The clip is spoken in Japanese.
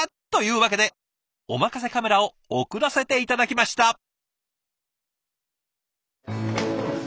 というわけでおまかせカメラを送らせて頂きました。